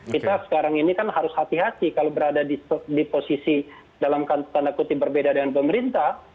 kita sekarang ini kan harus hati hati kalau berada di posisi dalam tanda kutip berbeda dengan pemerintah